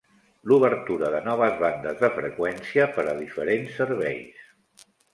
L'obertura de noves bandes de freqüència per a diferents serveis.